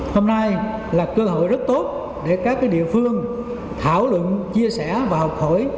hôm nay là cơ hội rất tốt để các địa phương thảo luận chia sẻ và học hỏi